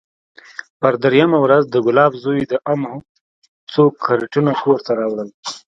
پر درېيمه ورځ د ګلاب زوى د امو څو کرېټونه کور ته راوړل.